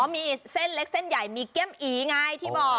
มีเส้นเล็กเส้นใหญ่มีแก้มอีไงที่บอก